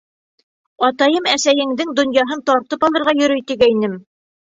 Атайым әсәйеңдең донъяһын тартып алырға йөрөй, тигәйнем!..